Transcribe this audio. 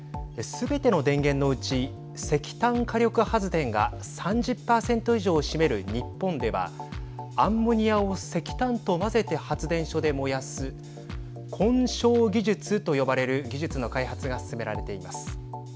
すべての電源のうち石炭火力発電が３０％以上を占める日本ではアンモニアを石炭と混ぜて発電所で燃やす混焼技術と呼ばれる技術の開発が進められています。